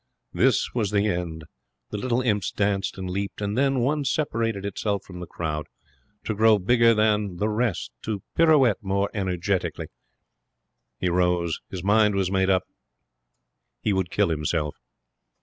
This was the end. The little imps danced and leaped; and then one separated itself from the crowd, to grow bigger than, the rest, to pirouette more energetically. He rose. His mind was made up. He would kill himself.